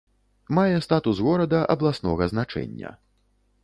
Мае статус горада абласнога значэння.